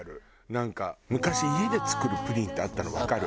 なんか昔家で作るプリンってあったのわかる？